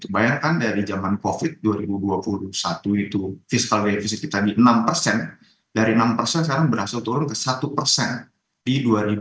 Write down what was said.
bayangkan dari zaman covid dua ribu dua puluh satu itu fiskal revisi kita di enam persen dari enam persen sekarang berhasil turun ke satu persen di dua ribu dua puluh